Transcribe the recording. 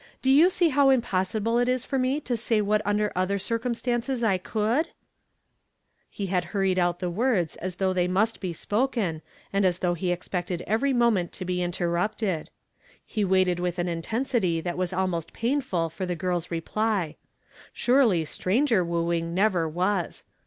Do you see how impossible it is for me to sav what under other circumstances 1 could ?" you "HE HATII SENT ME. M 1«9 lie liad liiiiTiod out tlio words as though they must 1)0 spoken, and as th<)U<^h lie oxi)ec'ted every moment to bo interrupted, lie waited witli an intensity that was ahnost painful for the girl's re ply. Surely stranger wooing never was.